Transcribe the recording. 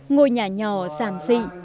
ngồi nhà nhỏ giảm dị